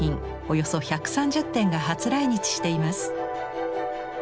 およそ１３０点が初来日しています。